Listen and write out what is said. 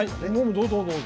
どうぞどうぞ。